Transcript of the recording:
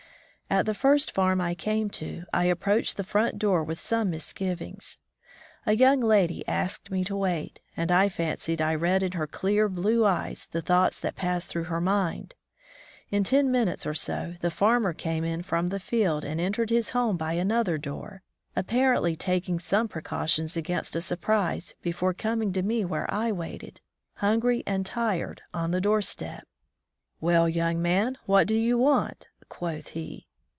At the first farm I came to, I approached the front door with some misgivings. A young lady asked me to wait, and I fancied I read in her clear blue eyes the thoughts that passed through her mind. In ten minutes or so, the farmer came in from the field and entered his home by another door, apparently taking some precautions against a surprise before coming to me where I waited, hungry and tired, on the doorstep. " Well, young man, what do you want ?" quoth he.